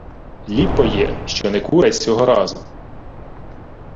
— Ліпо є, що не кура й сього разу.